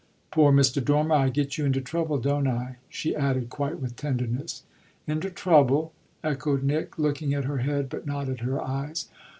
Poor Mr. Dormer, I get you into trouble, don't I?" she added quite with tenderness. "Into trouble?" echoed Nick, looking at her head but not at her eyes.